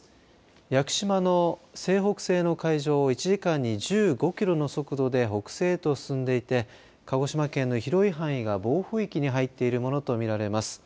屋久島の西北西の海上を１時間に１５キロの速度で北西へと進んでいて鹿児島県の広い範囲が暴風域に入っているものと見られます。